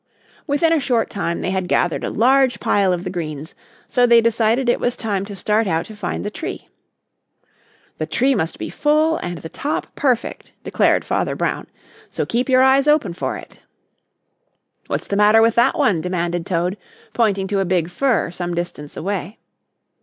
Within a short time they had gathered a large pile of the greens, so they decided it was time to start out to find the tree. "The tree must be full and the top perfect," declared Father Brown, "so keep your eyes open for it." "What's the matter with that one?" demanded Toad, pointing to a big fir some distance away.